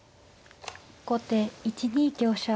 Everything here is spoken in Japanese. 後手１二香車。